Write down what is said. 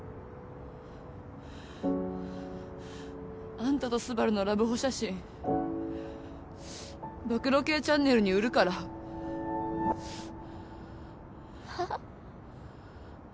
・・あんたとスバルのラブホ写真暴露系チャンネルに売るからはぁ？